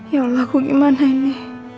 ya allah ku gimana ini